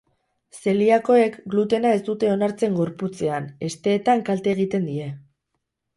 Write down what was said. Zeliakoek, glutena ez dute onartzen, gorputzean, hesteetan klate egiten die.